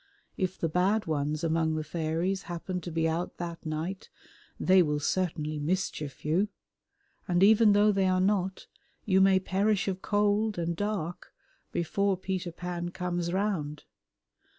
If the bad ones among the fairies happen to be out that night they will certainly mischief you, and even though they are not, you may perish of cold and dark before Peter Pan comes round.